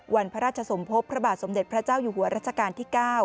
วันพระราชสมภพพระบาทสมเด็จพระเจ้าอยู่หัวรัชกาลที่๙